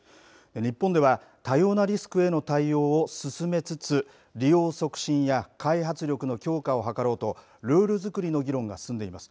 日本では多様なリスクへの対応を進めつつ利用促進や開発力の強化を図ろうとルールづくりの議論が進んでいます。